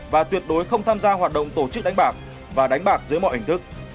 và tuyệt đối không tham gia hoạt động tổ chức đánh bạc và đánh bạc dưới mọi hình thức